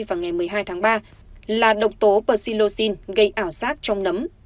vào ngày một mươi hai tháng ba là độc tố persilocin gây ảo sát trong nấm